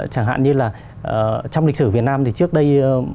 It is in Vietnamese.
chẳng hạn như là trong lịch sử việt nam thì trước đây